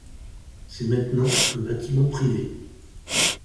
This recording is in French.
C'est maintenant un bâtiment privé.